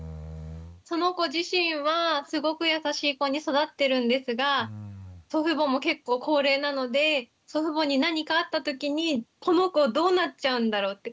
その子自身はすごく優しい子に育ってるんですが祖父母も結構高齢なので祖父母に何かあった時にこの子どうなっちゃうんだろうって。